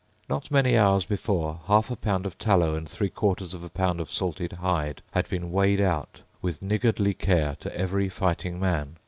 Not many hours before, half a pound of tallow and three quarters of a pound of salted hide had been weighed out with niggardly care to every fighting man.